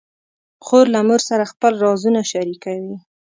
خور له مور سره خپل رازونه شریکوي.